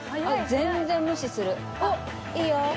全然無視するおっいいよ。